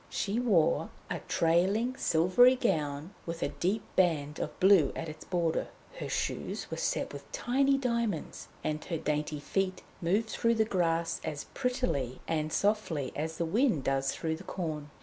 She wore a trailing silvery gown, with a deep band of blue at its border. Her shoes were set with tiny diamonds, and her dainty feet moved through the grass as prettily and as softly as the wind does through the corn.